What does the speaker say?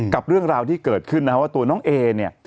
กับเรื่องราวที่เกิดขึ้นนะครับว่าตัวน้องเอเนี่ย